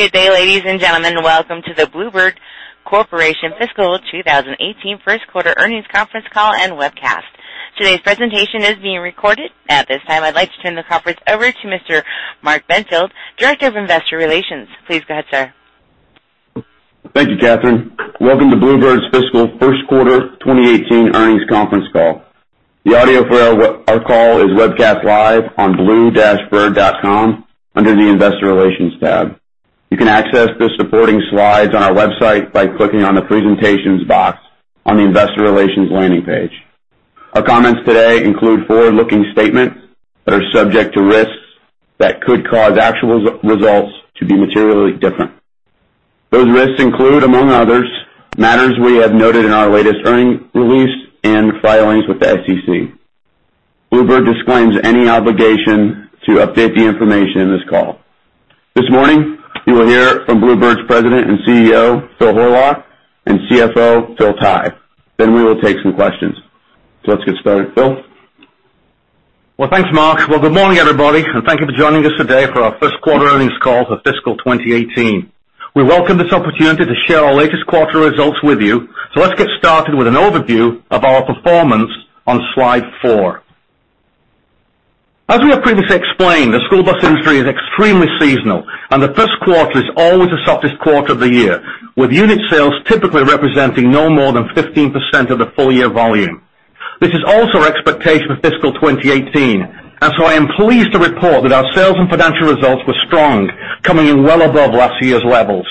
Good day, ladies and gentlemen. Welcome to the Blue Bird Corporation Fiscal 2018 first quarter earnings conference call and webcast. Today's presentation is being recorded. At this time, I'd like to turn the conference over to Mr. Mark Benfield, Director of Investor Relations. Please go ahead, sir. Thank you, Catherine. Welcome to Blue Bird's Fiscal First Quarter 2018 earnings conference call. The audio for our call is webcast live on blue-bird.com under the Investor Relations tab. You can access the supporting slides on our website by clicking on the Presentations box on the Investor Relations landing page. Our comments today include forward-looking statements that are subject to risks that could cause actual results to be materially different. Those risks include, among others, matters we have noted in our latest earnings release and filings with the SEC. Blue Bird disclaims any obligation to update the information in this call. This morning, you will hear from Blue Bird's President and CEO, Phil Horlock, and CFO, Phil Tighe. We will take some questions. Let's get started. Phil? Well, thanks, Mark. Well, good morning, everybody, and thank you for joining us today for our first quarter earnings call for fiscal 2018. We welcome this opportunity to share our latest quarter results with you. Let's get started with an overview of our performance on slide four. As we have previously explained, the school bus industry is extremely seasonal, and the first quarter is always the softest quarter of the year, with unit sales typically representing no more than 15% of the full year volume. This is also our expectation for fiscal 2018, I am pleased to report that our sales and financial results were strong, coming in well above last year's levels.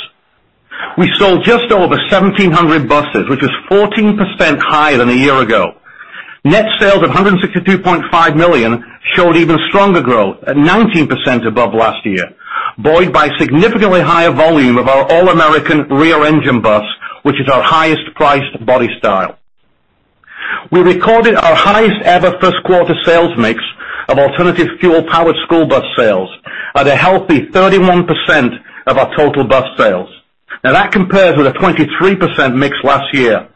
We sold just over 1,700 buses, which is 14% higher than a year ago. Net sales of $162.5 million showed even stronger growth at 19% above last year, buoyed by significantly higher volume of our All American rear engine bus, which is our highest priced body style. We recorded our highest ever first quarter sales mix of alternative fuel powered school bus sales at a healthy 31% of our total bus sales. That compares with a 23% mix last year.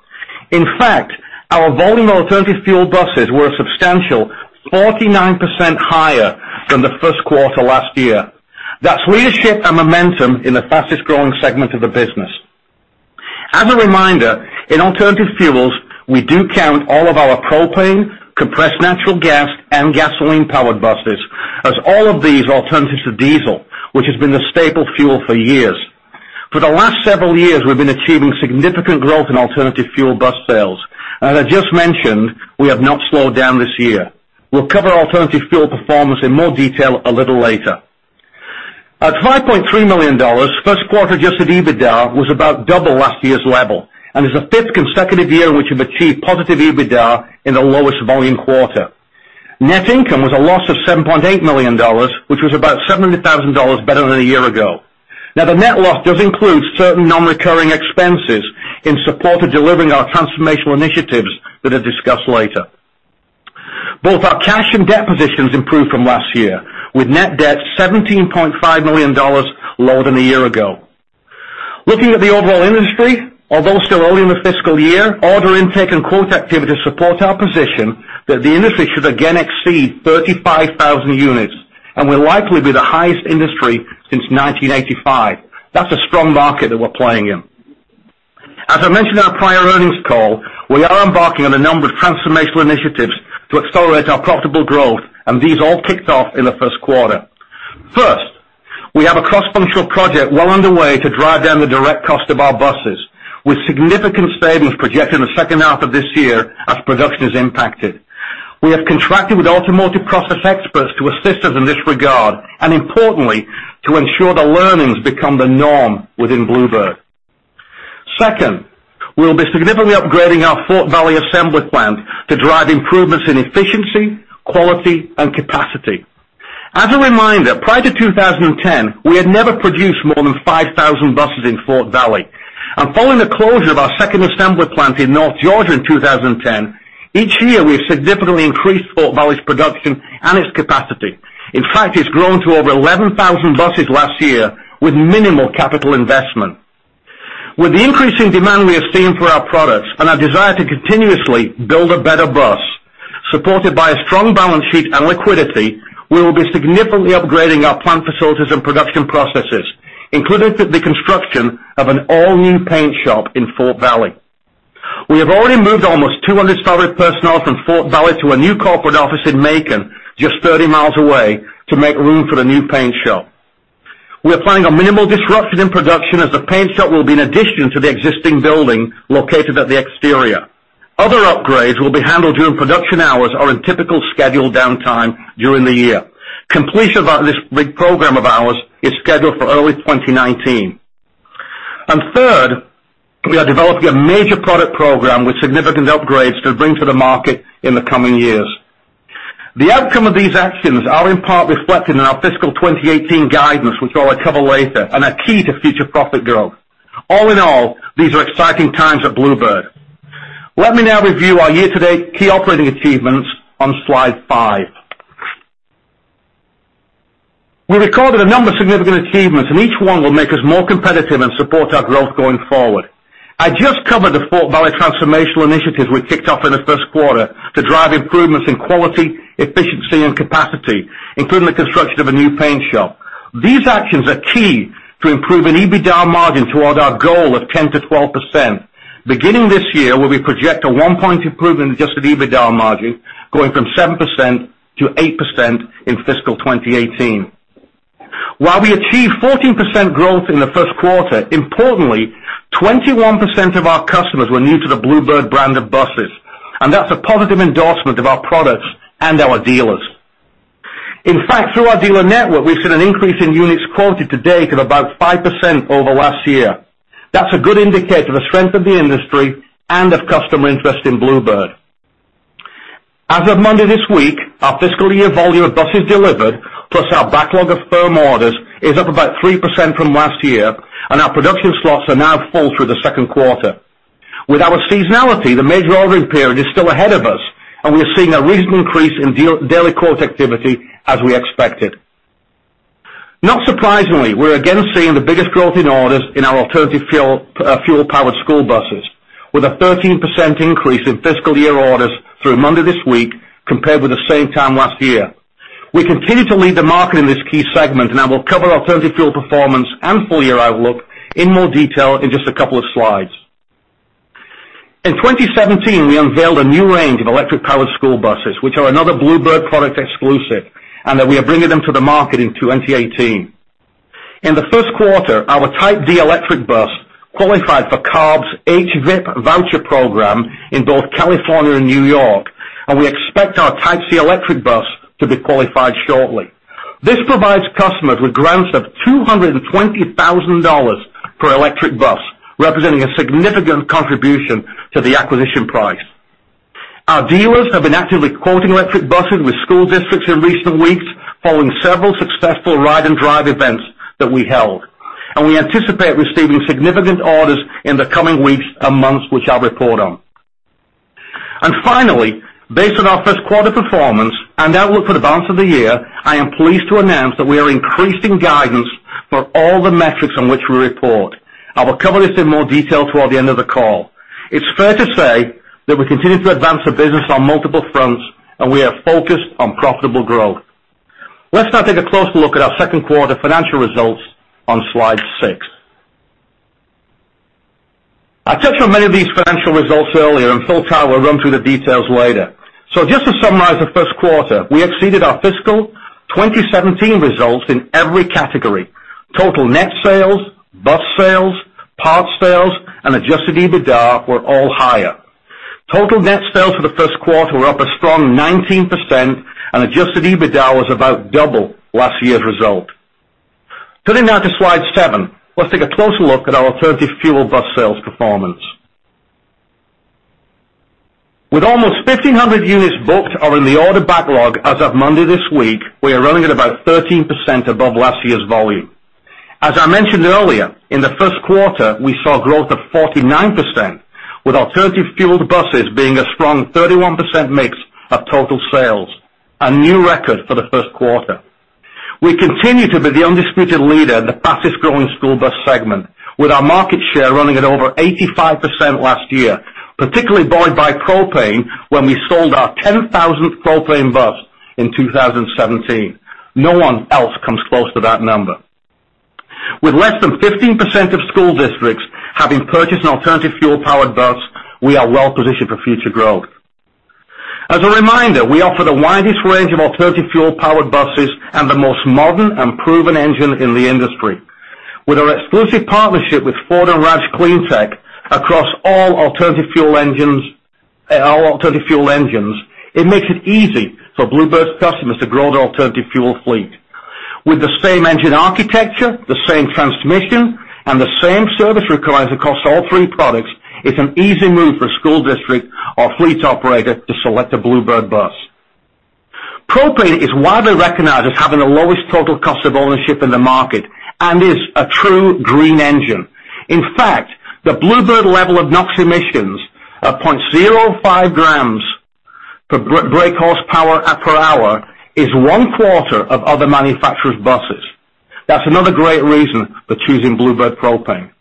In fact, our volume of alternative fuel buses were a substantial 49% higher than the first quarter last year. That's leadership and momentum in the fastest-growing segment of the business. As a reminder, in alternative fuels, we do count all of our propane, compressed natural gas, and gasoline-powered buses as all of these are alternatives to diesel, which has been the staple fuel for years. For the last several years, we've been achieving significant growth in alternative fuel bus sales. As I just mentioned, we have not slowed down this year. We'll cover alternative fuel performance in more detail a little later. At $5.3 million, first quarter adjusted EBITDA was about double last year's level and is the fifth consecutive year which we've achieved positive EBITDA in the lowest volume quarter. Net income was a loss of $7.8 million, which was about $700,000 better than a year ago. The net loss does include certain non-recurring expenses in support of delivering our transformational initiatives that are discussed later. Both our cash and debt positions improved from last year, with net debt $17.5 million lower than a year ago. Looking at the overall industry, although still early in the fiscal year, order intake and quote activity support our position that the industry should again exceed 35,000 units and will likely be the highest industry since 1985. That's a strong market that we're playing in. As I mentioned in our prior earnings call, we are embarking on a number of transformational initiatives to accelerate our profitable growth, these all kicked off in the first quarter. First, we have a cross-functional project well underway to drive down the direct cost of our buses with significant savings projected in the second half of this year as production is impacted. We have contracted with automotive process experts to assist us in this regard and importantly, to ensure the learnings become the norm within Blue Bird. Second, we'll be significantly upgrading our Fort Valley assembly plant to drive improvements in efficiency, quality, and capacity. As a reminder, prior to 2010, we had never produced more than 5,000 buses in Fort Valley. Following the closure of our second assembly plant in North Georgia in 2010, each year, we have significantly increased Fort Valley's production and its capacity. In fact, it's grown to over 11,000 buses last year with minimal capital investment. With the increasing demand we are seeing for our products and our desire to continuously build a better bus, supported by a strong balance sheet and liquidity, we will be significantly upgrading our plant facilities and production processes, including the construction of an all-new paint shop in Fort Valley. We have already moved almost 200 salaried personnel from Fort Valley to a new corporate office in Macon, just 30 miles away, to make room for the new paint shop. We are planning on minimal disruption in production as the paint shop will be an addition to the existing building located at the exterior. Other upgrades will be handled during production hours or in typical scheduled downtime during the year. Completion of this big program of ours is scheduled for early 2019. Third, we are developing a major product program with significant upgrades to bring to the market in the coming years. The outcome of these actions are in part reflected in our fiscal 2018 guidance, which I'll cover later, and are key to future profit growth. All in all, these are exciting times at Blue Bird. Let me now review our year-to-date key operating achievements on slide five. We recorded a number of significant achievements, each one will make us more competitive and support our growth going forward. I just covered the Fort Valley transformational initiatives we kicked off in the first quarter to drive improvements in quality, efficiency, and capacity, including the construction of a new paint shop. These actions are key to improving EBITDA margin toward our goal of 10%-12%. Beginning this year, where we project a one-point improvement in adjusted EBITDA margin, going from 7% to 8% in fiscal 2018. While we achieved 14% growth in the first quarter, importantly, 21% of our customers were new to the Blue Bird brand of buses, and that's a positive endorsement of our products and our dealers. In fact, through our dealer network, we've seen an increase in units quoted to date of about 5% over last year. That's a good indicator of the strength of the industry and of customer interest in Blue Bird. As of Monday this week, our fiscal year volume of buses delivered, plus our backlog of firm orders, is up about 3% from last year, and our production slots are now full through the second quarter. With our seasonality, the major ordering period is still ahead of us, and we are seeing a recent increase in daily quote activity as we expected. Not surprisingly, we're again seeing the biggest growth in orders in our alternative fuel-powered school buses, with a 13% increase in fiscal year orders through Monday this week compared with the same time last year. We continue to lead the market in this key segment, and I will cover alternative fuel performance and full-year outlook in more detail in just a couple of slides. In 2017, we unveiled a new range of electric-powered school buses, which are another Blue Bird product exclusive, and that we are bringing them to the market in 2018. In the first quarter, our Type D electric bus qualified for CARB's HVIP voucher program in both California and New York, and we expect our Type C electric bus to be qualified shortly. This provides customers with grants of $220,000 per electric bus, representing a significant contribution to the acquisition price. Our dealers have been actively quoting electric buses with school districts in recent weeks following several successful ride and drive events that we held. We anticipate receiving significant orders in the coming weeks and months, which I'll report on. Finally, based on our first quarter performance and outlook for the balance of the year, I am pleased to announce that we are increasing guidance for all the metrics on which we report. I will cover this in more detail toward the end of the call. It's fair to say that we continue to advance the business on multiple fronts, and we are focused on profitable growth. Let's now take a closer look at our second quarter financial results on slide six. I touched on many of these financial results earlier, and Phil Tighe will run through the details later. Just to summarize the first quarter, we exceeded our fiscal 2017 results in every category. Total net sales, bus sales, parts sales, and adjusted EBITDA were all higher. Total net sales for the first quarter were up a strong 19%, and adjusted EBITDA was about double last year's result. Turning now to slide seven, let's take a closer look at our alternative fuel bus sales performance. With almost 1,500 units booked or in the order backlog as of Monday this week, we are running at about 13% above last year's volume. As I mentioned earlier, in the first quarter, we saw growth of 49%, with alternative fueled buses being a strong 31% mix of total sales, a new record for the first quarter. We continue to be the undisputed leader in the fastest-growing school bus segment, with our market share running at over 85% last year, particularly buoyed by propane when we sold our 10,000th propane bus in 2017. No one else comes close to that number. With less than 15% of school districts having purchased an alternative fuel-powered bus, we are well positioned for future growth. As a reminder, we offer the widest range of alternative fuel-powered buses and the most modern and proven engine in the industry. With our exclusive partnership with Ford and ROUSH CleanTech across all alternative fuel engines, it makes it easy for Blue Bird's customers to grow their alternative fuel fleet. With the same engine architecture, the same transmission, and the same service requirements across all three products, it's an easy move for a school district or fleet operator to select a Blue Bird bus. Propane is widely recognized as having the lowest total cost of ownership in the market and is a true green engine. In fact, the Blue Bird level of NOx emissions of 0.05 grams per brake horsepower per hour is one quarter of other manufacturers' buses. That's another great reason for choosing Blue Bird propane.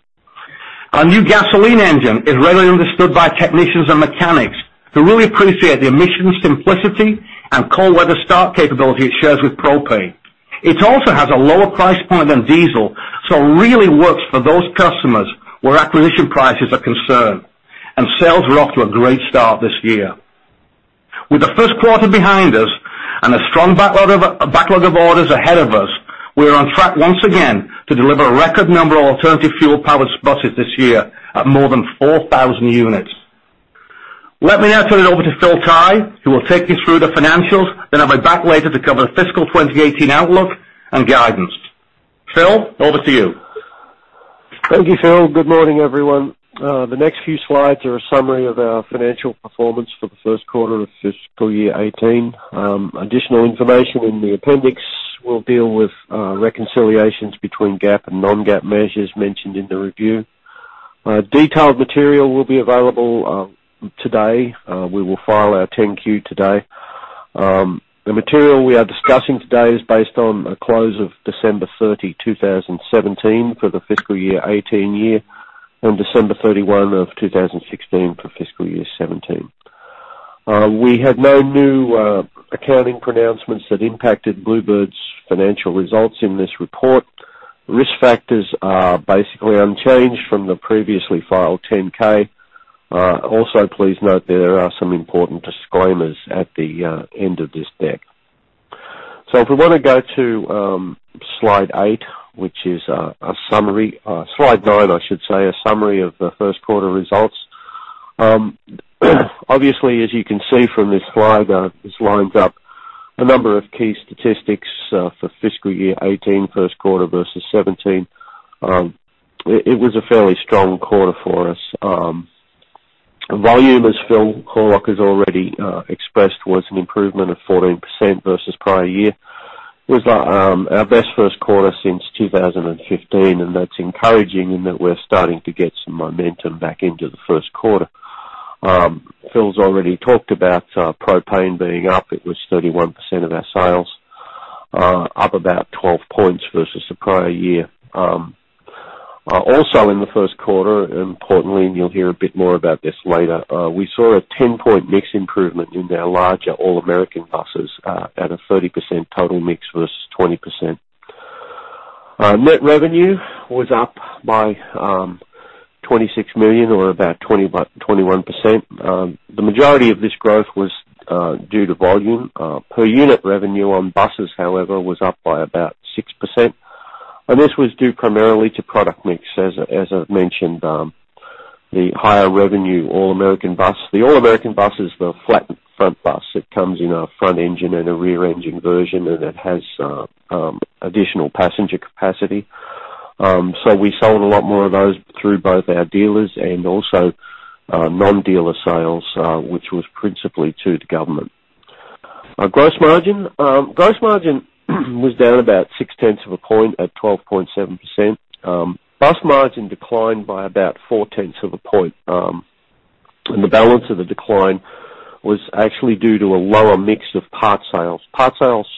Our new gasoline engine is readily understood by technicians and mechanics, who really appreciate the emissions simplicity and cold weather start capability it shares with propane. It also has a lower price point than diesel, so really works for those customers where acquisition prices are concerned, and sales are off to a great start this year. With the first quarter behind us and a strong backlog of orders ahead of us, we are on track once again to deliver a record number of alternative fuel-powered buses this year at more than 4,000 units. Let me now turn it over to Phil Tighe, who will take you through the financials. I'll be back later to cover the fiscal 2018 outlook and guidance. Phil, over to you. Thank you, Phil. Good morning, everyone. The next few slides are a summary of our financial performance for the first quarter of fiscal year 2018. Additional information in the appendix will deal with reconciliations between GAAP and non-GAAP measures mentioned in the review. Detailed material will be available today. We will file our 10-Q today. The material we are discussing today is based on a close of December 30, 2017, for the fiscal year 2018, and December 31 of 2016 for fiscal year 2017. We have no new accounting pronouncements that impacted Blue Bird's financial results in this report. Risk factors are basically unchanged from the previously filed 10-K. Please note there are some important disclaimers at the end of this deck. If we want to go to slide eight, which is a summary. Slide nine, I should say, a summary of the first quarter results. Obviously, as you can see from this slide, this lines up a number of key statistics for fiscal year 2018 first quarter versus 2017. It was a fairly strong quarter for us. Volume, as Phil Horlock has already expressed, was an improvement of 14% versus prior year. It was our best first quarter since 2015, and that's encouraging in that we're starting to get some momentum back into the first quarter. Phil's already talked about propane being up. It was 31% of our sales, up about 12 points versus the prior year. Also in the first quarter, importantly, and you'll hear a bit more about this later, we saw a 10-point mix improvement in our larger All American buses at a 30% total mix versus 20%. Net revenue was up by $26 million or about 21%. The majority of this growth was due to volume. Per unit revenue on buses, however, was up by about 6%, and this was due primarily to product mix. As I've mentioned, the higher revenue All American bus. The All American bus is the flat front bus that comes in a front engine and a rear engine version, and it has additional passenger capacity. So we sold a lot more of those through both our dealers and also non-dealer sales, which was principally to the government. Our gross margin. Gross margin was down about six tenths of a point at 12.7%. Bus margin declined by about four tenths of a point, and the balance of the decline was actually due to a lower mix of parts sales. Parts sales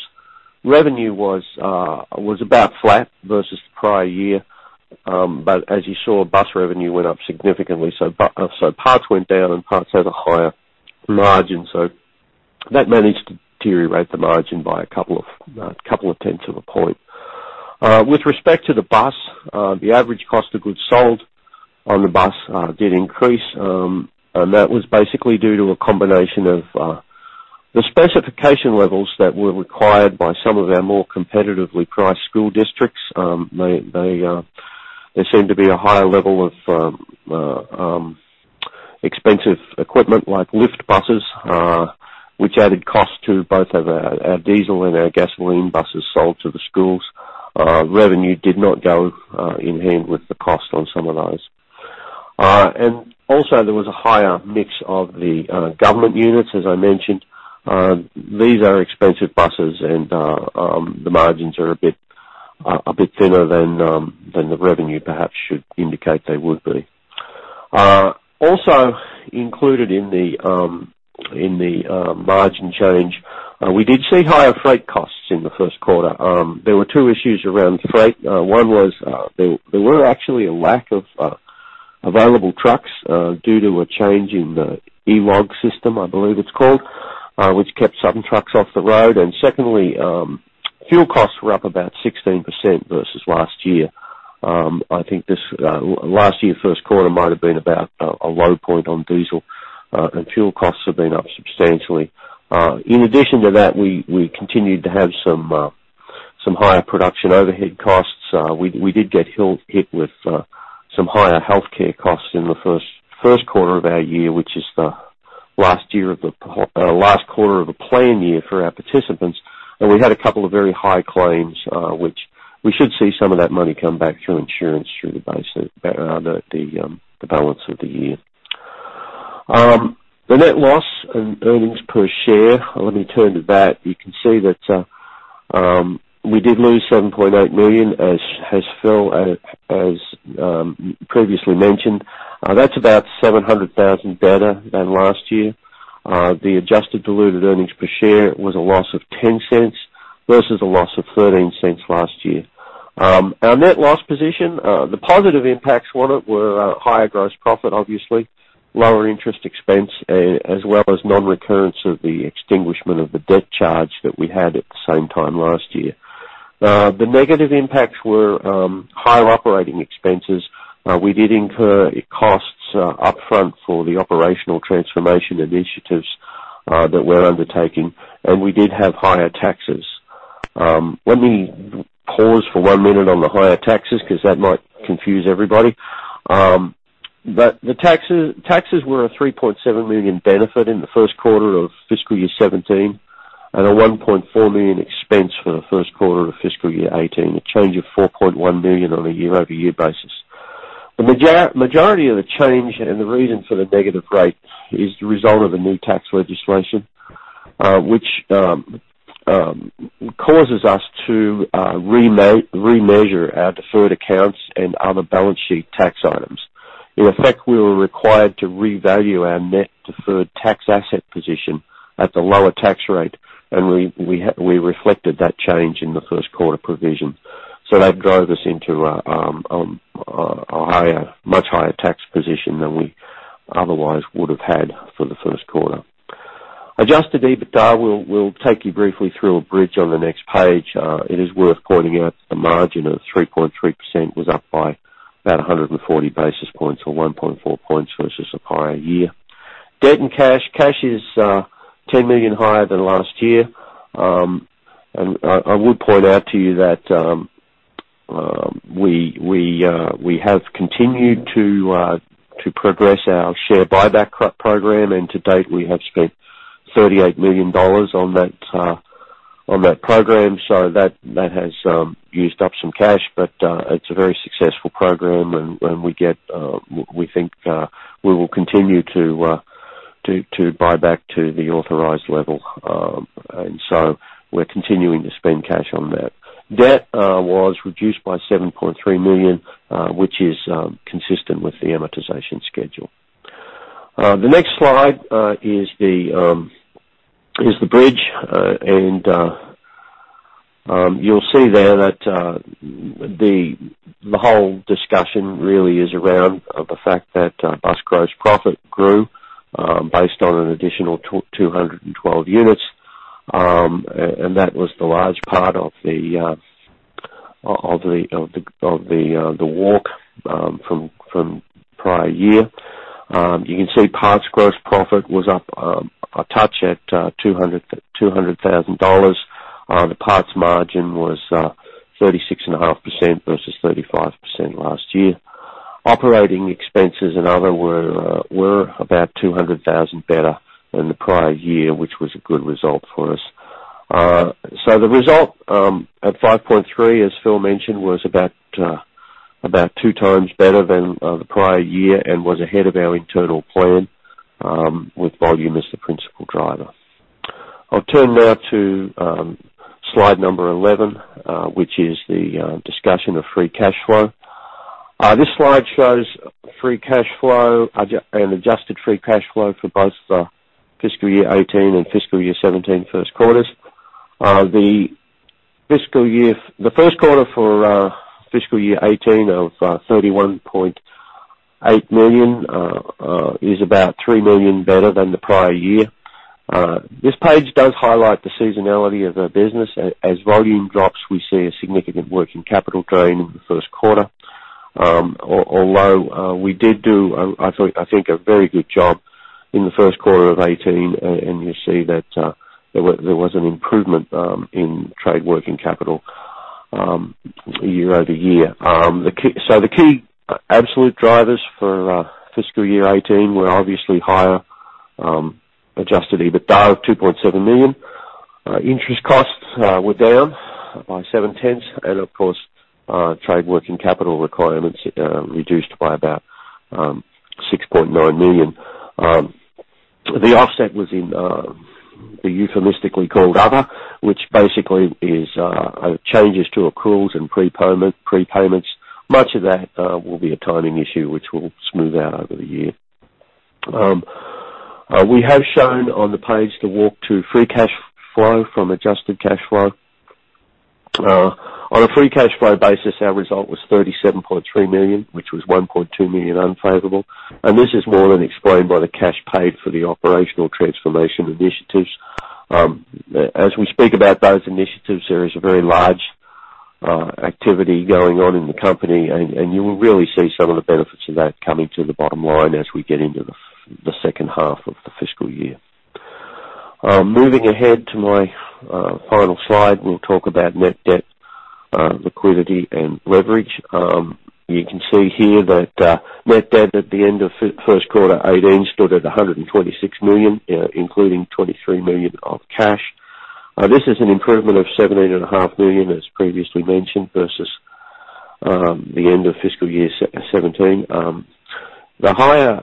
revenue was about flat versus the prior year, but as you saw, bus revenue went up significantly. So parts went down and parts had a higher margin. That managed to deteriorate the margin by a couple of tenths of a point. With respect to the bus, the average cost of goods sold on the bus did increase, and that was basically due to a combination of the specification levels that were required by some of our more competitively priced school districts. There seemed to be a higher level of expensive equipment like lift buses, which added cost to both our diesel and our gasoline buses sold to the schools. Revenue did not go in hand with the cost on some of those. And also there was a higher mix of the government units, as I mentioned. These are expensive buses and the margins are a bit thinner than the revenue perhaps should indicate they would be. Also included in the margin change, we did see higher freight costs in the first quarter. There were two issues around freight. One was there were actually a lack of available trucks due to a change in the ELD system, I believe it's called, which kept some trucks off the road. And secondly, fuel costs were up about 16% versus last year. I think last year first quarter might have been about a low point on diesel, and fuel costs have been up substantially. In addition to that, we continued to have some higher production overhead costs. We did get hit with some higher healthcare costs in the first quarter of our year, which is the last quarter of a plan year for our participants. And we had a couple of very high claims, which we should see some of that money come back through insurance through the balance of the year. The net loss and earnings per share, let me turn to that. You can see that we did lose $7.8 million, as Phil previously mentioned. That's about $700,000 better than last year. The adjusted diluted earnings per share was a loss of $0.10 versus a loss of $0.13 last year. Our net loss position, the positive impacts on it were higher gross profit, obviously, lower interest expense, as well as non-recurrence of the extinguishment of the debt charge that we had at the same time last year. The negative impacts were higher operating expenses. We did incur costs up front for the operational transformation initiatives that we're undertaking, and we did have higher taxes. Let me pause for one minute on the higher taxes because that might confuse everybody. The taxes were a $3.7 million benefit in the first quarter of fiscal year 2017 and a $1.4 million expense for the first quarter of fiscal year 2018, a change of $4.1 million on a year-over-year basis. The majority of the change and the reason for the negative rate is the result of a new tax legislation, which causes us to remeasure our deferred accounts and other balance sheet tax items. In effect, we were required to revalue our net deferred tax asset position at the lower tax rate, and we reflected that change in the first quarter provision. That drove us into a much higher tax position than we otherwise would have had for the first quarter. Adjusted EBITDA, we'll take you briefly through a bridge on the next page. It is worth pointing out the margin of 3.3% was up by about 140 basis points or 1.4 points versus the prior year. Debt and cash. Cash is $10 million higher than last year. I would point out to you that we have continued to progress our share buyback program, and to date, we have spent $38 million on that program. That has used up some cash, but it's a very successful program, and we think we will continue to buy back to the authorized level. We're continuing to spend cash on that. Debt was reduced by $7.3 million, which is consistent with the amortization schedule. The next slide is the bridge. You'll see there that the whole discussion really is around the fact that bus gross profit grew based on an additional 212 units. That was the large part of the walk from prior year. You can see parts gross profit was up a touch at $200,000. The parts margin was 36.5% versus 35% last year. Operating expenses and other were about $200,000 better than the prior year, which was a good result for us. The result, at $5.3 million, as Phil mentioned, was about two times better than the prior year and was ahead of our internal plan with volume as the principal driver. I'll turn now to slide number 11, which is the discussion of free cash flow. This slide shows free cash flow and adjusted free cash flow for both fiscal year 2018 and fiscal year 2017 first quarters. The first quarter for fiscal year 2018 of $31.8 million is about $3 million better than the prior year. This page does highlight the seasonality of our business. As volume drops, we see a significant working capital drain in the first quarter. Although, we did do, I think, a very good job in the first quarter of 2018, and you see that there was an improvement in trade working capital year-over-year. The key absolute drivers for fiscal year 2018 were obviously higher adjusted EBITDA of $2.7 million. Interest costs were down by seven tenths, and of course, trade working capital requirements reduced by about $6.9 million. The offset was in the euphemistically called other, which basically is changes to accruals and prepayments. Much of that will be a timing issue, which will smooth out over the year. We have shown on the page the walk to free cash flow from adjusted cash flow. On a free cash flow basis, our result was $37.3 million, which was $1.2 million unfavorable, this is more than explained by the cash paid for the operational transformation initiatives. As we speak about those initiatives, there is a very large activity going on in the company, and you will really see some of the benefits of that coming to the bottom line as we get into the second half of the fiscal year. Moving ahead to my final slide, we'll talk about net debt liquidity and leverage. You can see here that net debt at the end of first quarter 2018 stood at $126 million, including $23 million of cash. This is an improvement of $17.5 million, as previously mentioned, versus the end of fiscal year 2017. The high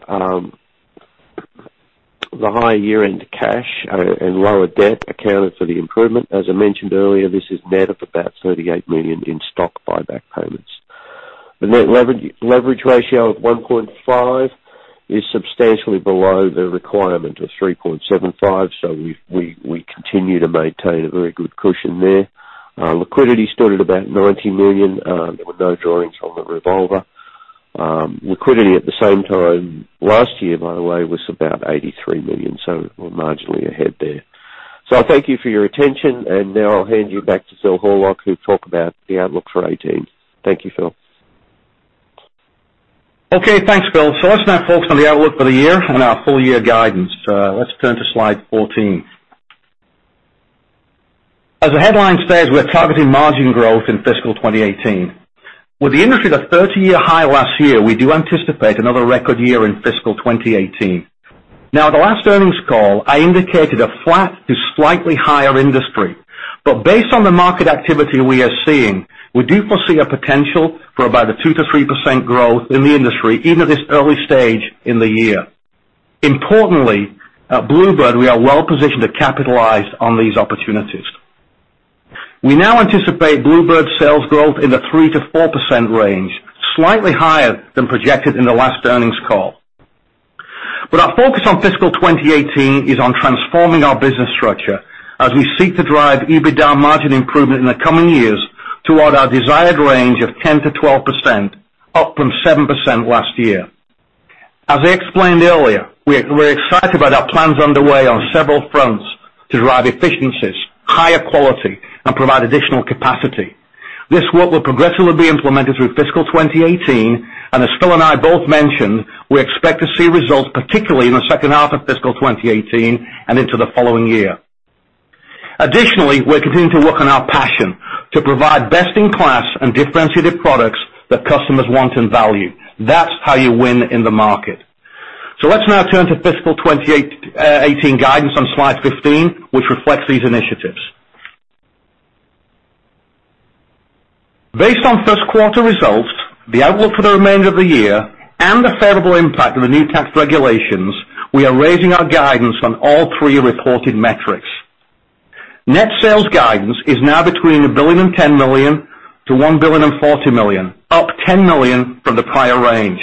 year-end cash and lower debt accounted for the improvement. As I mentioned earlier, this is net of about $38 million in stock buyback payments. The net leverage ratio of 1.5 is substantially below the requirement of 3.75, we continue to maintain a very good cushion there. Liquidity stood at about $90 million. There were no drawings on the revolver. Liquidity at the same time last year, by the way, was about $83 million, we're marginally ahead there. I thank you for your attention, and now I'll hand you back to Phil Horlock, who'll talk about the outlook for 2018. Thank you, Phil. Okay. Thanks, Phil. Let's now focus on the outlook for the year and our full-year guidance. Let's turn to slide 14. As the headline says, we're targeting margin growth in fiscal 2018. With the industry at a 30-year high last year, we do anticipate another record year in fiscal 2018. At the last earnings call, I indicated a flat to slightly higher industry. Based on the market activity we are seeing, we do foresee a potential for about a 2%-3% growth in the industry, even at this early stage in the year. Importantly, at Blue Bird, we are well positioned to capitalize on these opportunities. We now anticipate Blue Bird sales growth in the 3%-4% range, slightly higher than projected in the last earnings call. Our focus on fiscal 2018 is on transforming our business structure as we seek to drive EBITDA margin improvement in the coming years toward our desired range of 10%-12%, up from 7% last year. As I explained earlier, we're excited about our plans underway on several fronts to drive efficiencies, higher quality, and provide additional capacity. This work will progressively be implemented through fiscal 2018, and as Phil and I both mentioned, we expect to see results particularly in the second half of fiscal 2018 and into the following year. Additionally, we're continuing to work on our passion to provide best-in-class and differentiated products that customers want and value. That's how you win in the market. Let's now turn to fiscal 2018 guidance on slide 15, which reflects these initiatives. Based on first quarter results, the outlook for the remainder of the year, and the favorable impact of the new tax regulations, we are raising our guidance on all three reported metrics. Net sales guidance is now between $1.01 billion-$1.04 billion, up $10 million from the prior range.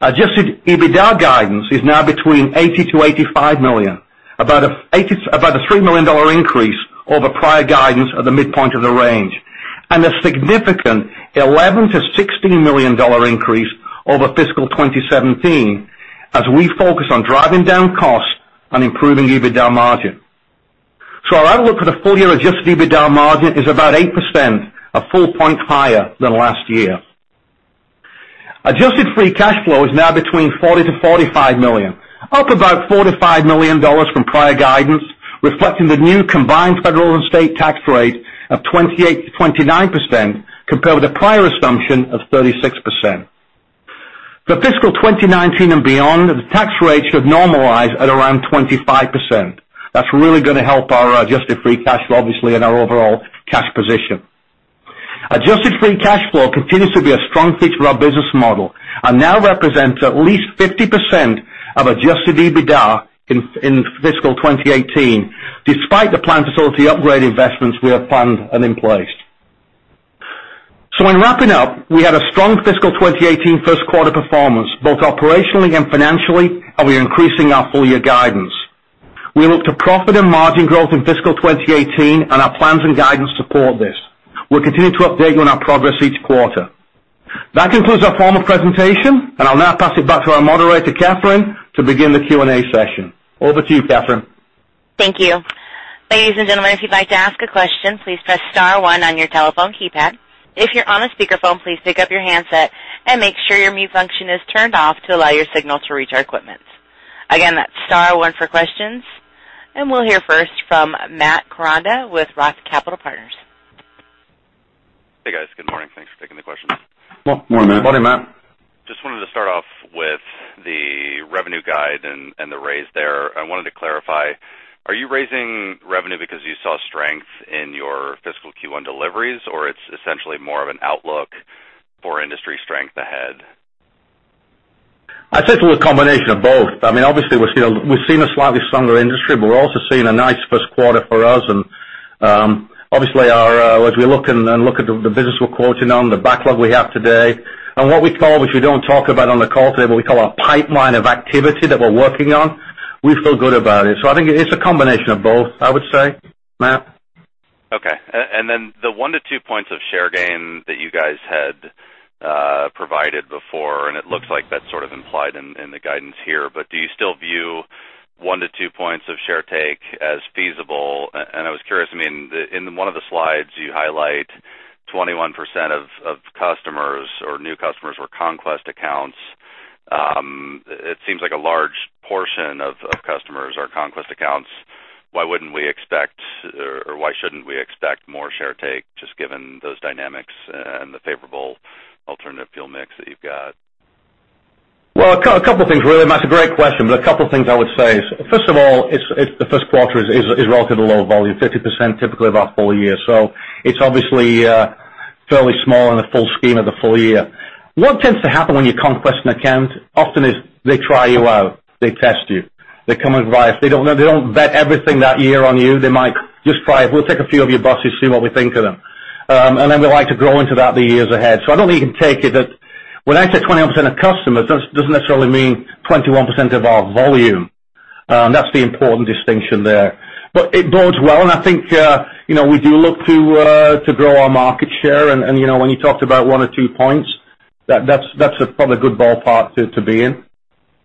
Adjusted EBITDA guidance is now between $80 million-$85 million, about a $3 million increase over prior guidance at the midpoint of the range, and a significant $11 million-$16 million increase over fiscal 2017 as we focus on driving down costs and improving EBITDA margin. Our outlook for the full year adjusted EBITDA margin is about 8%, a full point higher than last year. Adjusted free cash flow is now between $40 million-$45 million, up about $4 million to $5 million from prior guidance, reflecting the new combined federal and state tax rate of 28%-29%, compared with the prior assumption of 36%. For fiscal 2019 and beyond, the tax rate should normalize at around 25%. That's really going to help our adjusted free cash flow, obviously, and our overall cash position. Adjusted free cash flow continues to be a strong feature of our business model and now represents at least 50% of adjusted EBITDA in fiscal 2018, despite the planned facility upgrade investments we have planned and in place. In wrapping up, we had a strong fiscal 2018 first quarter performance, both operationally and financially, and we are increasing our full year guidance. We look to profit and margin growth in fiscal 2018, and our plans and guidance support this. We'll continue to update you on our progress each quarter. That concludes our formal presentation, and I'll now pass it back to our moderator, Catherine, to begin the Q&A session. Over to you, Catherine. Thank you. Ladies and gentlemen, if you'd like to ask a question, please press *1 on your telephone keypad. If you're on a speakerphone, please pick up your handset and make sure your mute function is turned off to allow your signal to reach our equipment. Again, that's *1 for questions, and we'll hear first from Matt Koranda with ROTH Capital Partners. Hey, guys. Good morning. Thanks for taking the questions. Well, good morning, Matt. Morning, Matt. Just wanted to start off with the revenue guide and the raise there. I wanted to clarify, are you raising revenue because you saw strength in your fiscal Q1 deliveries, or it's essentially more of an outlook for industry strength ahead? I'd say it's a combination of both. Obviously, we've seen a slightly stronger industry. We're also seeing a nice first quarter for us. Obviously, as we look at the business we're quoting on, the backlog we have today, and what we call, which we don't talk about on the call today, but we call our pipeline of activity that we're working on, we feel good about it. I think it's a combination of both, I would say, Matt. Okay. The 1-2 points of share gain that you guys had provided before, and it looks like that's sort of implied in the guidance here, but do you still view 1-2 points of share take as feasible? I was curious, in one of the slides you highlight 21% of customers or new customers were conquest accounts. It seems like a large portion of customers are conquest accounts. Why wouldn't we expect or why shouldn't we expect more share take, just given those dynamics and the favorable alternative fuel mix that you've got? Well, a couple things really, Matt. A great question, but a couple things I would say is, first of all, the first quarter is relatively low volume, 50% typically of our full year. It's obviously fairly small in the full scheme of the full year. What tends to happen when you conquest an account often is they try you out. They test you. They come and advise. They don't bet everything that year on you. They might just try it. We'll take a few of your buses, see what we think of them. We like to grow into that the years ahead. I don't think you can take it that when I say 21% of customers, doesn't necessarily mean 21% of our volume. That's the important distinction there. It bodes well, and I think we do look to grow our market share. When you talked about one or two points, that's probably a good ballpark to be in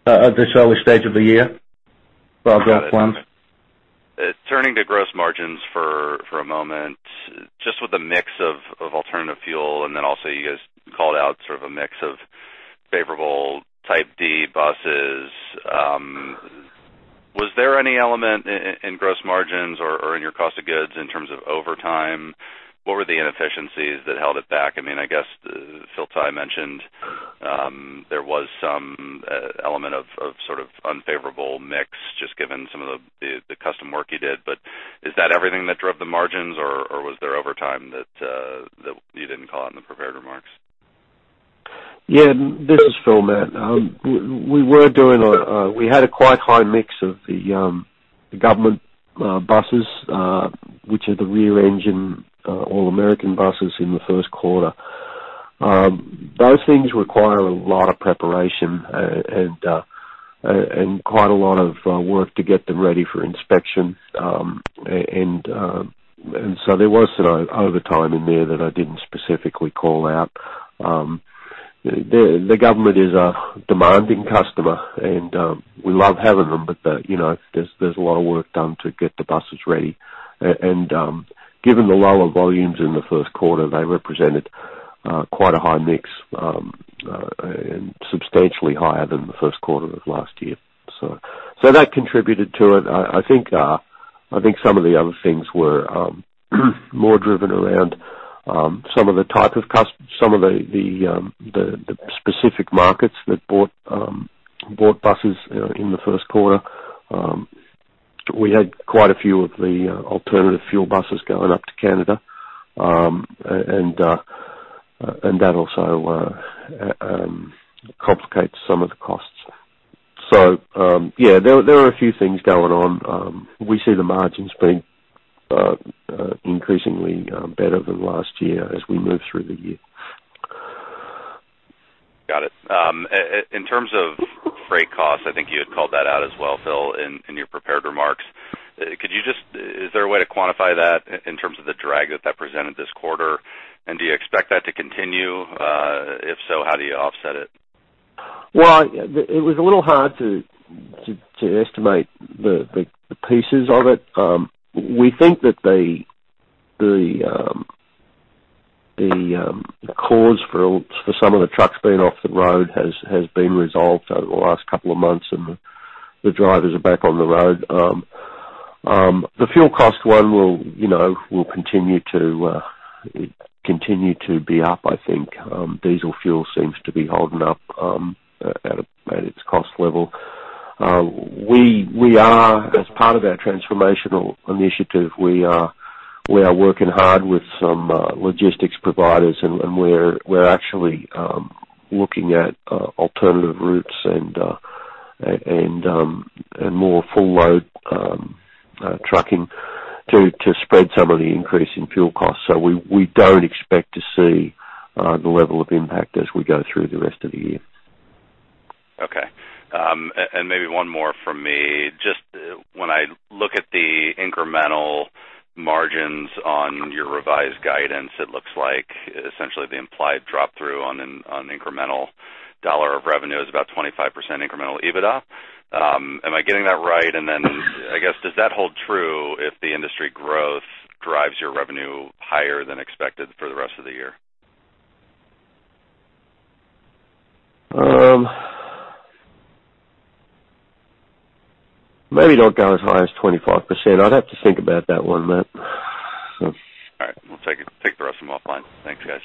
at this early stage of the year for our growth plans. Got it. Turning to gross margins for a moment, just with the mix of alternative fuel, also you guys called out sort of a mix of favorable Type D buses. Was there any element in gross margins or in your cost of goods in terms of overtime? What were the inefficiencies that held it back? I guess Phil Tighe mentioned there was some element of sort of unfavorable mix, just given some of the custom work you did. Is that everything that drove the margins, or was there overtime that you didn't call out in the prepared remarks? Yeah, this is Phil, Matt. We had a quite high mix of the government buses, which are the rear-engine All American buses in the first quarter. Those things require a lot of preparation and quite a lot of work to get them ready for inspection. There was some overtime in there that I didn't specifically call out. The government is a demanding customer, and we love having them, but there's a lot of work done to get the buses ready. Given the lower volumes in the first quarter, they represented quite a high mix and substantially higher than the first quarter of last year. That contributed to it. I think some of the other things were more driven around some of the specific markets that bought buses in the first quarter. We had quite a few of the alternative fuel buses going up to Canada, that also complicates some of the costs. Yeah, there are a few things going on. We see the margins being increasingly better than last year as we move through the year. Got it. In terms of freight costs, I think you had called that out as well, Phil, in your prepared remarks. Is there a way to quantify that in terms of the drag that presented this quarter, and do you expect that to continue? If so, how do you offset it? Well, it was a little hard to estimate the pieces of it. We think that the cause for some of the trucks being off the road has been resolved over the last couple of months, and the drivers are back on the road. The fuel cost one will continue to be up, I think. Diesel fuel seems to be holding up at its cost level. As part of our transformational initiative, we are working hard with some logistics providers, and we're actually looking at alternative routes and more full-load trucking to spread some of the increase in fuel costs. We don't expect to see the level of impact as we go through the rest of the year. Okay. Maybe one more from me. Just when I look at the incremental margins on your revised guidance, it looks like essentially the implied drop through on incremental dollar of revenue is about 25% incremental EBITDA. Am I getting that right? I guess, does that hold true if the industry growth drives your revenue higher than expected for the rest of the year? Maybe not go as high as 25%. I'd have to think about that one, Matt. All right. We'll take the rest of them offline. Thanks, guys.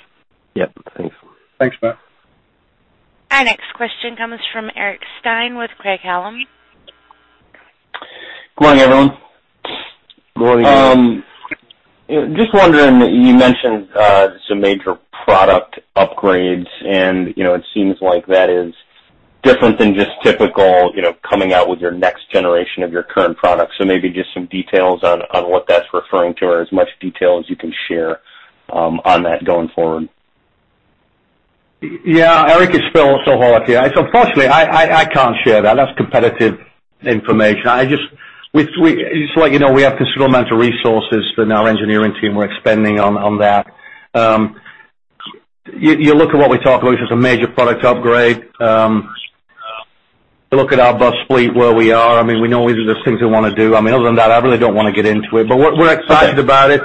Yeah. Thanks. Thanks, Matt. Our next question comes from Eric Stine with Craig-Hallum. Good morning, everyone. Good morning. Just wondering, you mentioned some major product upgrades, it seems like that is different than just typical coming out with your next generation of your current products. Maybe just some details on what that's referring to or as much detail as you can share on that going forward. Yeah. Eric, it's Phil. Hold on. Firstly, I can't share that. That's competitive information. I just want you to know we have a considerable amount of resources that our engineering team we're expending on that. You look at what we talk about as a major product upgrade. You look at our bus fleet, where we are. We know these are just things we want to do. Other than that, I really don't want to get into it. We're excited. Okay about it.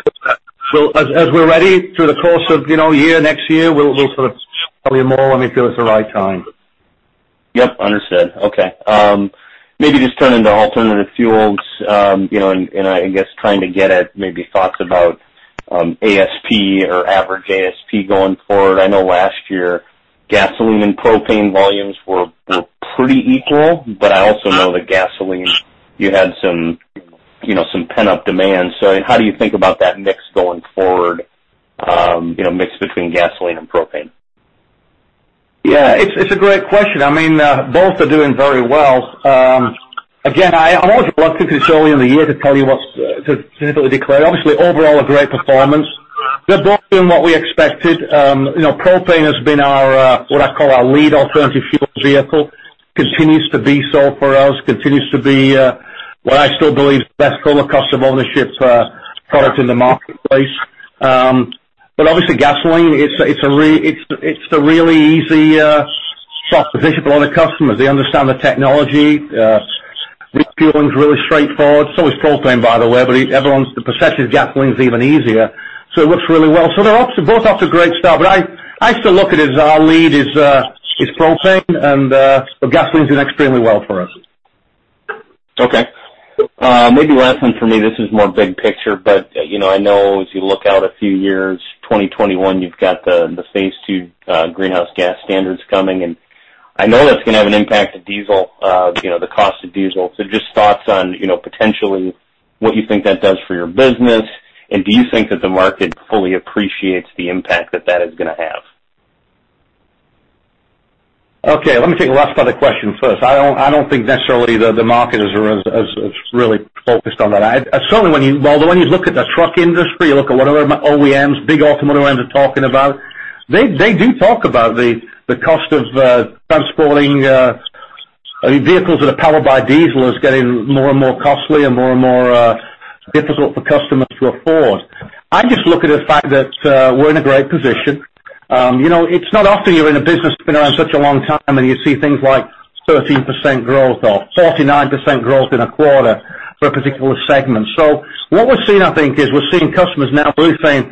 As we're ready through the course of year, next year, we'll tell you more when we feel it's the right time. Yep, understood. Okay. Maybe just turning to alternative fuels, and I guess trying to get at maybe thoughts about ASP or average ASP going forward. I know last year, gasoline and propane volumes were pretty equal, but I also know that gasoline, you had some pent-up demand. How do you think about that mix going forward, mix between gasoline and propane? Yeah. It's a great question. Both are doing very well. Again, I'm always reluctant this early in the year to tell you what to significantly declare. Obviously, overall, a great performance. They're both doing what we expected. Propane has been what I call our lead alternative fuels vehicle. Continues to be so for us. Continues to be what I still believe is the best total cost of ownership product in the marketplace. Obviously, gasoline, it's the really easy, soft position for a lot of customers. They understand the technology. Refueling is really straightforward. Is propane, by the way, but everyone possesses gasoline even easier. It works really well. They're both off to a great start, but I still look at it as our lead is propane, but gasoline is doing extremely well for us. Okay. Maybe last one for me, this is more big picture, but I know as you look out a few years, 2021, you've got the Phase 2 Greenhouse Gas Standards coming and I know that's going to have an impact to diesel, the cost of diesel. Just thoughts on potentially what you think that does for your business, and do you think that the market fully appreciates the impact that that is going to have? Okay, let me take the last part of the question first. I don't think necessarily that the market has really focused on that. Certainly when you look at the truck industry, you look at what other OEMs, big automotive OEMs are talking about, they do talk about the cost of transporting vehicles that are powered by diesel is getting more and more costly and more and more difficult for customers to afford. I just look at the fact that we're in a great position. It's not often you're in a business that's been around such a long time, and you see things like 13% growth or 49% growth in a quarter for a particular segment. What we're seeing, I think, is we're seeing customers now really saying,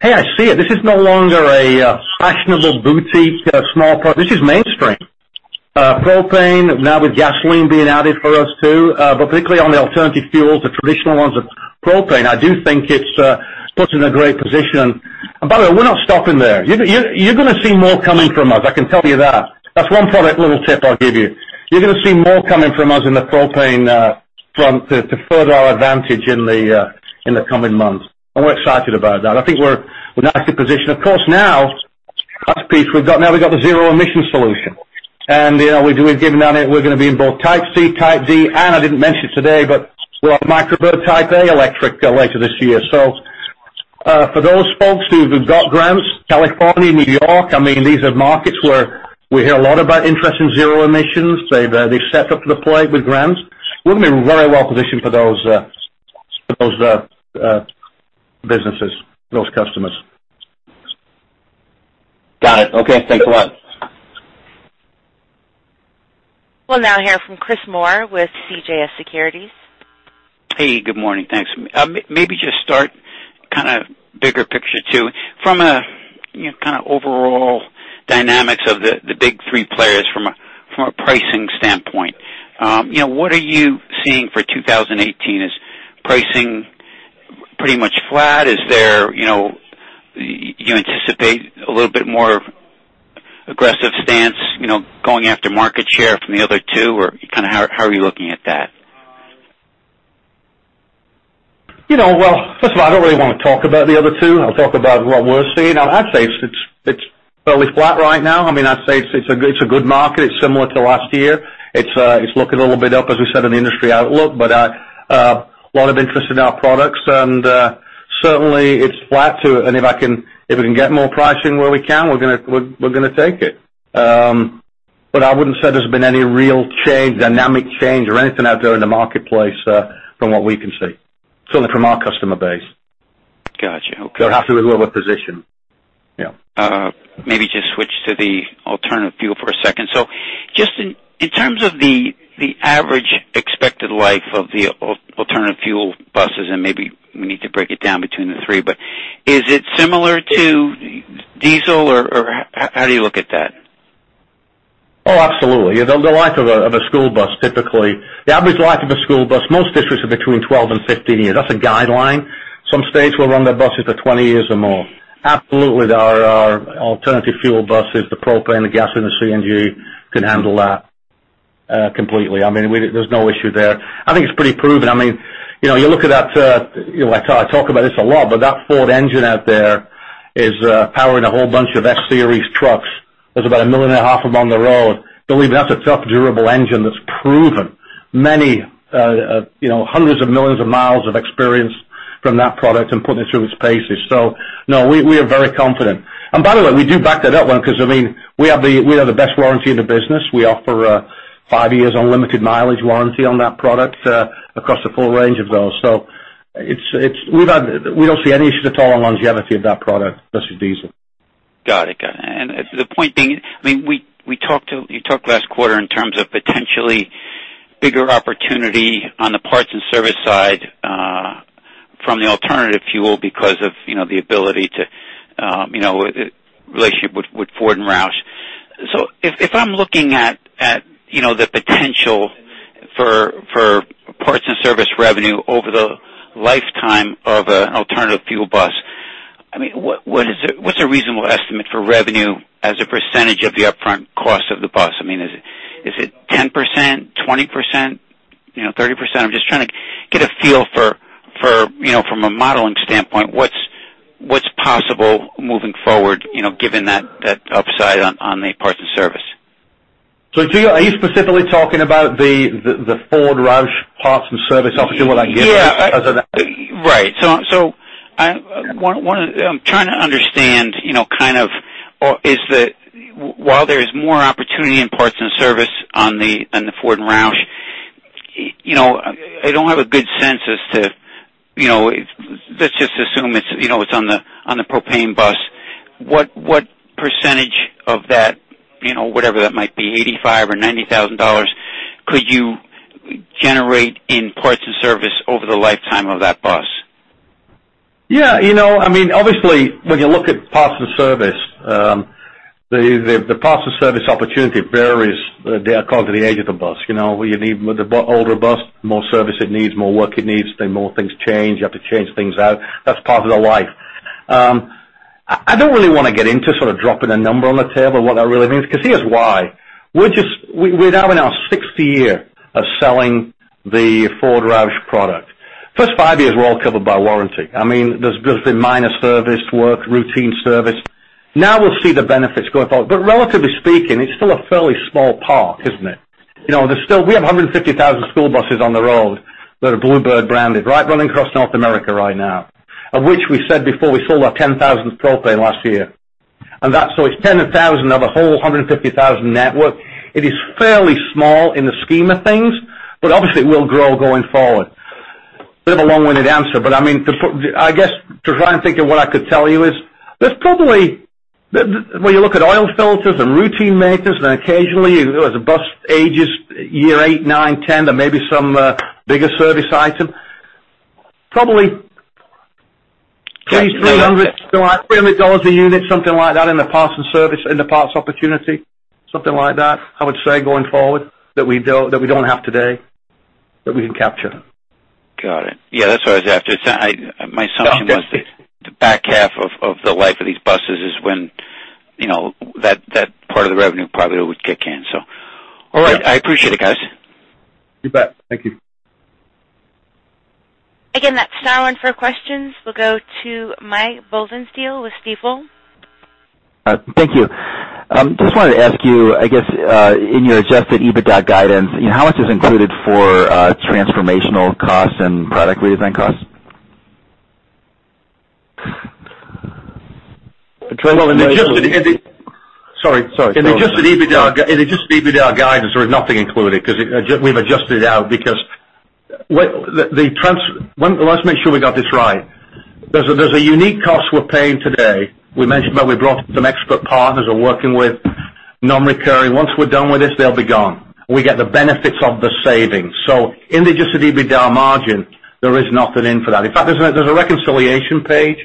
"Hey, I see it. This is no longer a fashionable boutique, small part. This is mainstream. Propane, now with gasoline being added for us, too, but particularly on the alternative fuels, the traditional ones with propane. I do think it puts us in a great position. By the way, we're not stopping there. You're going to see more coming from us, I can tell you that. That's one product little tip I'll give you. You're going to see more coming from us in the propane front to further our advantage in the coming months. We're excited about that. I think we're in an active position. Of course, now, last piece, now we've got the zero-emission solution. We're going to be in both Type C, Type D, and I didn't mention today, but we'll have Micro Bird Type A electric later this year. For those folks who have got grants, California, New York, these are markets where we hear a lot about interest in zero emissions. They've set up to deploy with grants. We've been very well positioned for those businesses, those customers. Got it. Okay. Thanks a lot. We'll now hear from Chris Moore with CJS Securities. Hey, good morning. Thanks. Maybe just start kind of bigger picture, too. From a kind of overall dynamics of the big three players from a pricing standpoint. What are you seeing for 2018? Is pricing pretty much flat? Do you anticipate a little bit more aggressive stance going after market share from the other two, or how are you looking at that? Well, first of all, I don't really want to talk about the other two. I'll talk about what we're seeing. I'd say it's fairly flat right now. I'd say it's a good market. It's similar to last year. It's looking a little bit up, as we said, in the industry outlook. A lot of interest in our products, and certainly it's flat, too, and if we can get more pricing where we can, we're going to take it. I wouldn't say there's been any real change, dynamic change or anything out there in the marketplace from what we can see. Certainly from our customer base. Got you. Okay. They'll have to move our position. Yeah. Maybe just switch to the alternative fuel for a second. Just in terms of the average expected life of the alternative fuel buses, and maybe we need to break it down between the three, but is it similar to diesel, or how do you look at that? Absolutely. The life of a school bus, typically, the average life of a school bus, most districts are between 12 and 15 years. That's a guideline. Some states will run their buses for 20 years or more. Absolutely our alternative fuel buses, the propane, the gas and the CNG, can handle that completely. There's no issue there. I think it's pretty proven. I talk about this a lot, but that Ford engine out there is powering a whole bunch of F-Series trucks. There's about 1.5 million of them on the road. Believe me, that's a tough, durable engine that's proven. Many hundreds of millions of miles of experience from that product and putting it through its paces. No, we are very confident. By the way, we do back that up, because we have the best warranty in the business. We offer a five years unlimited mileage warranty on that product across the full range of those. We don't see any issue at all on longevity of that product versus diesel. Got it. The point being, you talked last quarter in terms of potentially bigger opportunity on the parts and service side from the alternative fuel because of the relationship with Ford and ROUSH. If I'm looking at the potential for parts and service revenue over the lifetime of an alternative fuel bus, what's a reasonable estimate for revenue as a percentage of the upfront cost of the bus? Is it 10%, 20%, 30%? I'm just trying to get a feel from a modeling standpoint, what's possible moving forward given that upside on the parts and service. Are you specifically talking about the Ford ROUSH parts and service opportunity? Right. I'm trying to understand, while there's more opportunity in parts and service on the Ford and ROUSH, I don't have a good sense. Let's just assume it's on the propane bus. What percentage of that, whatever that might be, $85,000 or $90,000, could you generate in parts and service over the lifetime of that bus? Yeah. Obviously, when you look at parts and service, the parts and service opportunity varies according to the age of the bus. With the older bus, more service it needs, more work it needs, the more things change. You have to change things out. That's part of the life. I don't really want to get into sort of dropping a number on the table and what that really means, because here's why. We're now in our sixth year of selling the Ford ROUSH product. First five years were all covered by warranty. There's been minor service work, routine service. Now we'll see the benefits going forward. Relatively speaking, it's still a fairly small part, isn't it? We have 150,000 school buses on the road that are Blue Bird branded, running across North America right now. Of which we said before we sold our 10,000th propane last year. It's 10,000 of a whole 150,000 network. It is fairly small in the scheme of things, but obviously it will grow going forward. Bit of a long-winded answer. I guess to try and think of what I could tell you is, when you look at oil filters and routine maintenance, and occasionally, as a bus ages, year eight, nine, 10, there may be some bigger service item. Probably two, $300 a unit, something like that in the parts opportunity. Something like that, I would say, going forward, that we don't have today, that we can capture. Got it. Yeah, that's what I was after. My assumption was the back half of the life of these buses is when that part of the revenue probably would kick in. All right. I appreciate it, guys. You bet. Thank you. Again, that's all for questions. We'll go to Mike Baudendistel with Stifel. Thank you. Just wanted to ask you, I guess, in your Adjusted EBITDA guidance, how much is included for transformational costs and product redesign costs? Sorry. In Adjusted EBITDA guidance, there is nothing included because we've adjusted it out. Let's make sure we got this right. There's a unique cost we're paying today. We mentioned that we brought some expert partners we're working with, non-recurring. Once we're done with this, they'll be gone. We get the benefits of the savings. In the Adjusted EBITDA margin, there is nothing in for that. In fact, there's a reconciliation page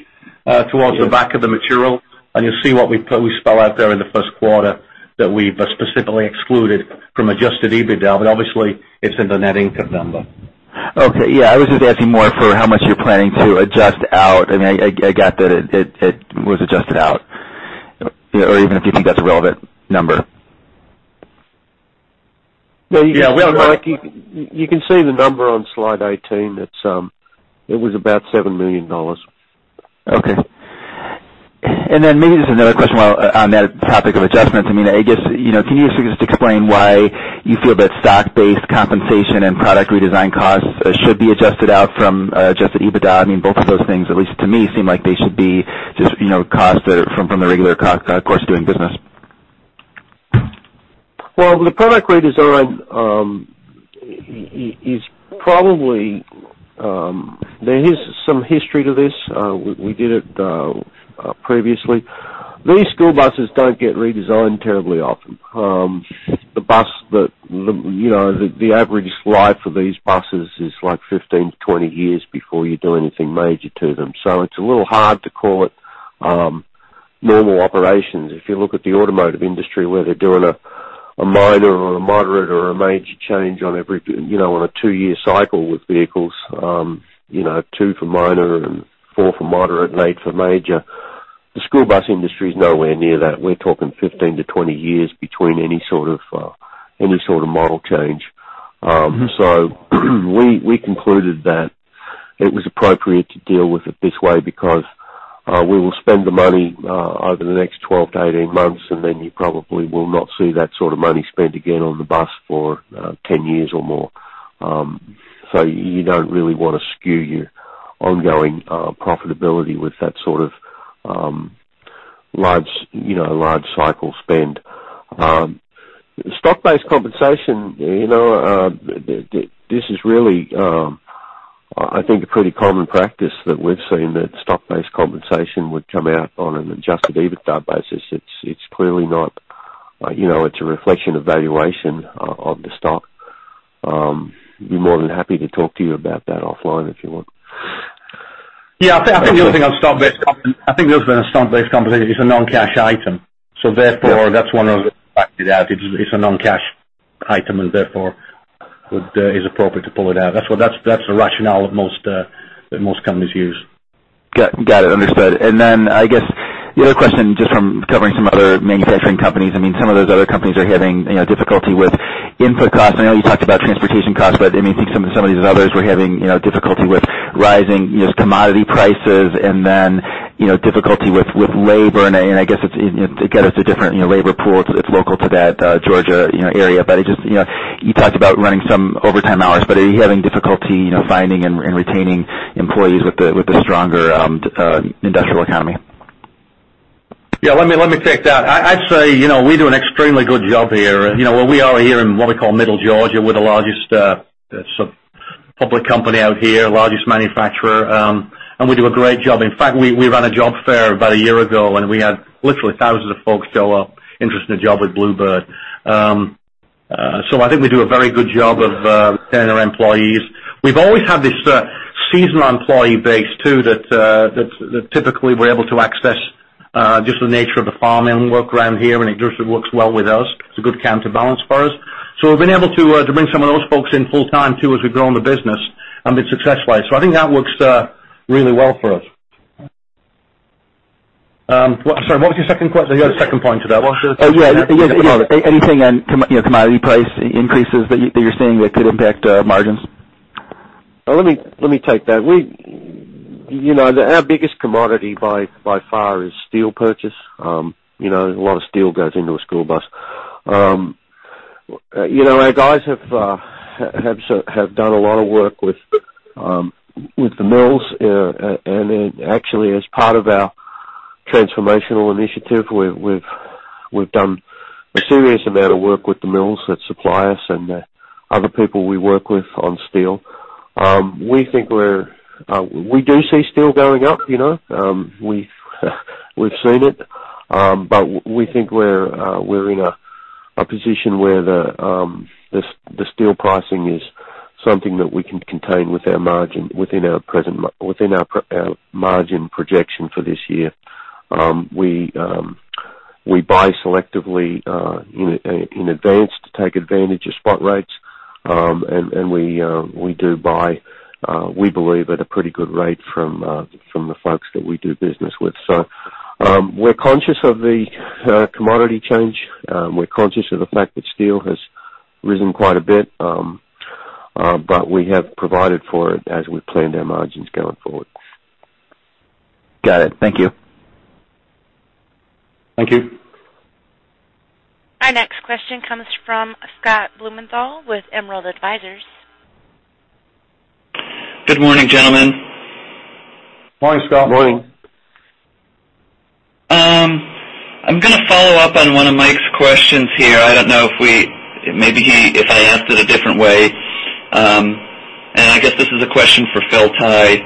towards the back of the material, and you'll see what we spell out there in the first quarter that we've specifically excluded from Adjusted EBITDA, but obviously it's in the net income number. Okay. Yeah, I was just asking more for how much you're planning to adjust out. I got that it was adjusted out, or even if you think that's a relevant number. Yeah. Well, Mike, you can see the number on slide 18. It was about $7 million. Okay. Maybe just another question on that topic of adjustments. Can you just explain why you feel that stock-based compensation and product redesign costs should be adjusted out from adjusted EBITDA? Both of those things, at least to me, seem like they should be just costs that are from the regular course of doing business. Well, the product redesign, there is some history to this. We did it previously. These school buses don't get redesigned terribly often. The average life of these buses is like 15-20 years before you do anything major to them. It's a little hard to call it normal operations. If you look at the automotive industry, where they're doing a minor or a moderate or a major change on a 2-year cycle with vehicles, two for minor and four for moderate, and eight for major. The school bus industry is nowhere near that. We're talking 15-20 years between any sort of model change. We concluded that it was appropriate to deal with it this way because we will spend the money over the next 12-18 months, and you probably will not see that sort of money spent again on the bus for 10 years or more. You don't really want to skew your ongoing profitability with that sort of large cycle spend. Stock-based compensation, this is really, I think, a pretty common practice that we've seen, that stock-based compensation would come out on an adjusted EBITDA basis. It's a reflection of valuation of the stock. Be more than happy to talk to you about that offline if you want. Yeah. I think the other thing on stock-based compensation, it's a non-cash item. Therefore, that's one of the factors out. It's a non-cash item and therefore is appropriate to pull it out. That's the rationale that most companies use. Got it. Understood. I guess the other question, just from covering some other manufacturing companies, some of those other companies are having difficulty with input costs. I know you talked about transportation costs, but I think some of these others were having difficulty with rising commodity prices and then difficulty with labor, and I guess it's a different labor pool. It's local to that Georgia area. You talked about running some overtime hours, but are you having difficulty finding and retaining employees with the stronger industrial economy? Yeah. Let me take that. I'd say, we do an extremely good job here. Where we are here in what we call Middle Georgia, we're the largest public company out here, largest manufacturer, and we do a great job. In fact, we ran a job fair about a year ago, and we had literally thousands of folks show up interested in a job with Blue Bird. I think we do a very good job of retaining our employees. We've always had this seasonal employee base, too, that typically we're able to access. Just the nature of the farming work around here, and it just works well with us. It's a good counterbalance for us. We've been able to bring some of those folks in full time too, as we've grown the business and been successful. I think that works really well for us. I'm sorry, what was your second question? You had a second point to that. What was the second point? Yeah. Anything on commodity price increases that you're seeing that could impact margins? Let me take that. Our biggest commodity, by far, is steel purchase. A lot of steel goes into a school bus. Our guys have done a lot of work with the mills. Actually, as part of our transformational initiative, we've done a serious amount of work with the mills that supply us and the other people we work with on steel. We do see steel going up. We've seen it. We think we're in a position where the steel pricing is something that we can contain within our margin projection for this year. We buy selectively in advance to take advantage of spot rates. We do buy, we believe, at a pretty good rate from the folks that we do business with. We're conscious of the commodity change. We're conscious of the fact that steel has risen quite a bit. We have provided for it as we planned our margins going forward. Got it. Thank you. Thank you. Our next question comes from Scott Blumenthal with Emerald Advisers. Good morning, gentlemen. Morning, Scott. Morning. I'm going to follow up on one of Mike's questions here. I don't know, maybe if I asked it a different way, and I guess this is a question for Phil Tighe.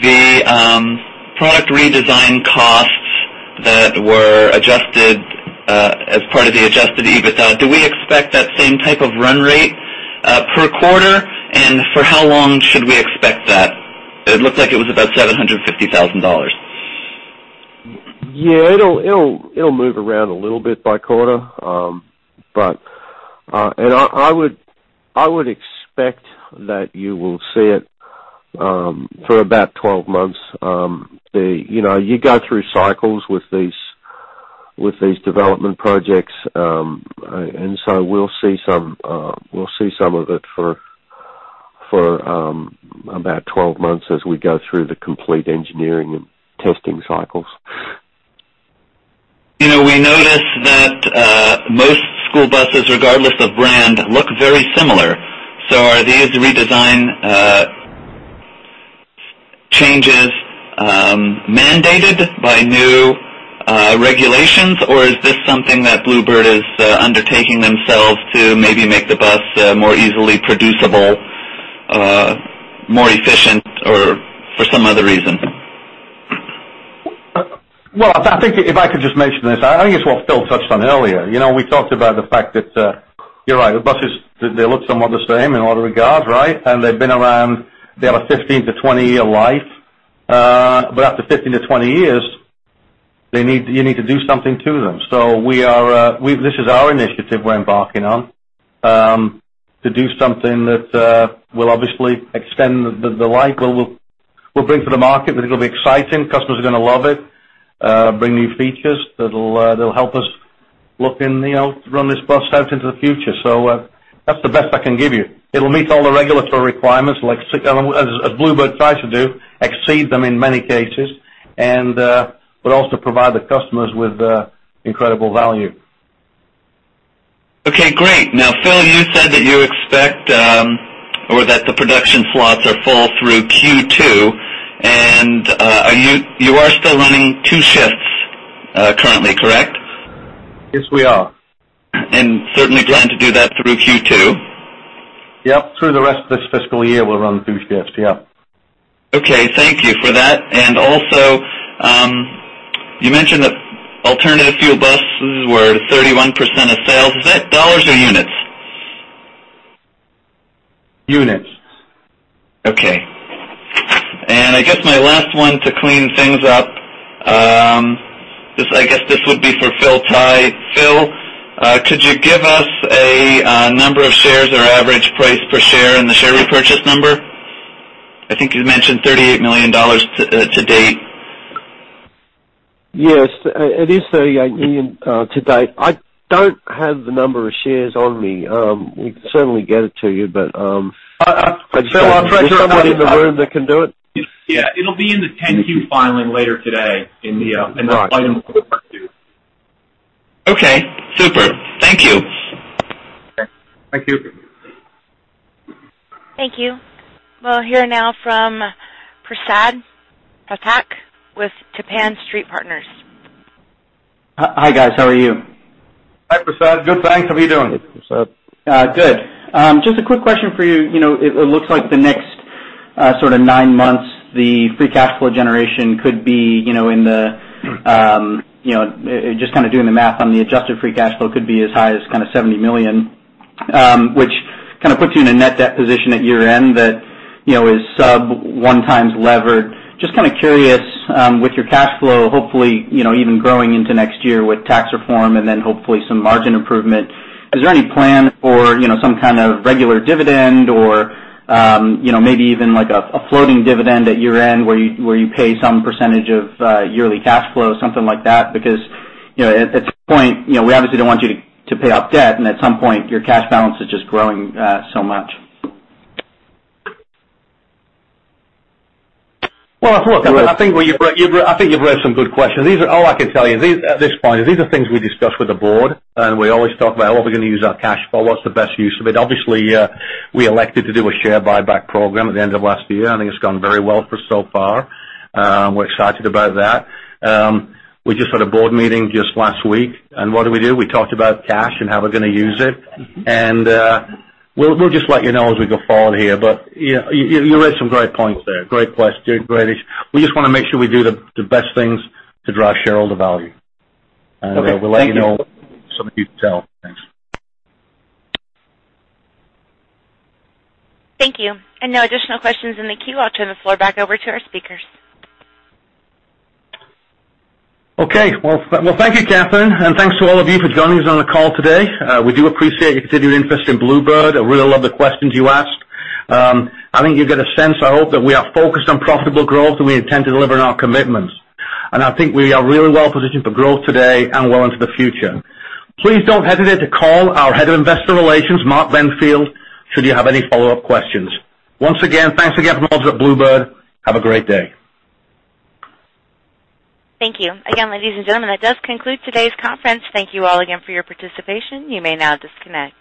The product redesign costs that were adjusted as part of the adjusted EBITDA, do we expect that same type of run rate per quarter, and for how long should we expect that? It looked like it was about $750,000. Yeah. It'll move around a little bit by quarter. I would expect that you will see it for about 12 months. You go through cycles with these development projects. We'll see some of it for about 12 months as we go through the complete engineering and testing cycles. We notice that most school buses, regardless of brand, look very similar. Are these redesign changes mandated by new regulations, or is this something that Blue Bird is undertaking themselves to maybe make the bus more easily producible, more efficient, or for some other reason? Well, I think if I could just mention this, I think it's what Phil touched on earlier. We talked about the fact that, you're right, the buses, they look somewhat the same in all regards, right? They've been around, they have a 15- to 20-year life. After 15 to 20 years, you need to do something to them. This is our initiative we're embarking on, to do something that will obviously extend the life. We'll bring it to the market, that it will be exciting. Customers are going to love it. Bring new features that'll help us run this bus out into the future. That's the best I can give you. It'll meet all the regulatory requirements, as Blue Bird tries to do, exceed them in many cases, also provide the customers with incredible value. Okay, great. Now, Phil, you said that you expect, or that the production slots are full through Q2, you are still running two shifts currently, correct? Yes, we are. Certainly plan to do that through Q2? Yep. Through the rest of this fiscal year, we'll run two shifts. Yep. Okay. Thank you for that. Also, you mentioned that alternative fuel buses were 31% of sales. Is that dollars or units? Units. Okay. I guess my last one to clean things up, I guess this would be for Phil Tighe. Phil, could you give us a number of shares or average price per share in the share repurchase number? I think you mentioned $38 million to date. Yes. It is $38 million to date. I don't have the number of shares on me. We can certainly get it to you, but- Phil, I'll try to- Is there someone in the room that can do it? Yeah. It'll be in the 10-Q filing later today in the item. Okay. Super. Thank you. Thank you. Thank you. We'll hear now from Prasad Phatak with Tappan Street Partners. Hi, guys. How are you? Hi, Prasad. Good, thanks. How are you doing? Good, Prasad. Good. Just a quick question for you. It looks like the next nine months, the free cash flow generation could be, just doing the math on the adjusted free cash flow, could be as high as $70 million. Which kind of puts you in a net debt position at year-end that is sub one times levered. Just kind of curious, with your cash flow, hopefully, even growing into next year with tax reform and then hopefully some margin improvement, is there any plan for some kind of regular dividend or maybe even a floating dividend at year-end where you pay some percentage of yearly cash flow, something like that? Because, at this point, we obviously don't want you to pay off debt, and at some point, your cash balance is just growing so much. Well, look, I think you've raised some good questions. All I can tell you at this point is these are things we discuss with the board, and we always talk about what we're going to use our cash for, what's the best use of it. Obviously, we elected to do a share buyback program at the end of last year. I think it's gone very well for so far. We're excited about that. We just had a board meeting just last week, and what did we do? We talked about cash and how we're going to use it. We'll just let you know as we go forward here. You raised some great points there. Great questions. We just want to make sure we do the best things to drive shareholder value. Okay. Thank you. We'll let you know some of you tell. Thanks. Thank you. No additional questions in the queue. I'll turn the floor back over to our speakers. Okay. Well, thank you, Catherine, and thanks to all of you for joining us on the call today. We do appreciate your continued interest in Blue Bird. I really love the questions you asked. I think you get a sense, I hope, that we are focused on profitable growth, and we intend to deliver on our commitments. I think we are really well positioned for growth today and well into the future. Please don't hesitate to call our Head of Investor Relations, Mark Benfield, should you have any follow-up questions. Once again, thanks again from all of us at Blue Bird. Have a great day. Thank you. Ladies and gentlemen, that does conclude today's conference. Thank you all again for your participation. You may now disconnect.